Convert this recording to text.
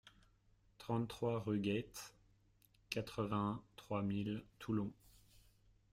trente-trois rue Gueit, quatre-vingt-trois mille Toulon